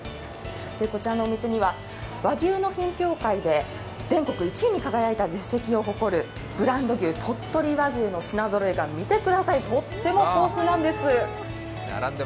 こちらのお店には和牛の品評会で全国１位に輝いた実績を誇るブランド牛鳥取和牛の品ぞろえが、見てください、とっても豊富なんです。